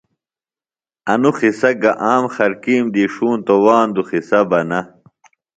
انوۡ قصہ گہ عام خلکیم دی ݜونتوۡ واندوۡ قِصہ بہ نہ